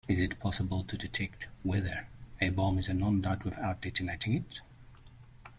Is it possible to detect whether a bomb is a non-dud without detonating it?